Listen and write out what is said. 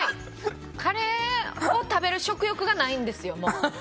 カレーを食べる食欲がないんですよ、もう。